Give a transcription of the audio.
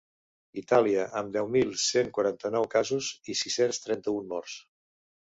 Itàlia, amb deu mil cent quaranta-nou casos i sis-cents trenta-un morts.